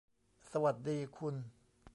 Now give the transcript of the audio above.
สวัสดีคุณ